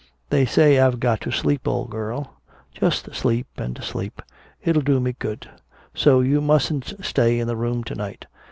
"They say I've got to sleep, old girl just sleep and sleep it'll do me good. So you mustn't stay in the room to night.